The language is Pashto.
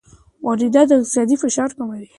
واردات اقتصادي فشار کموي.